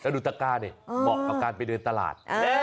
ดูตะก้าเนี่ยเหมาะกับการไปเดินตลาด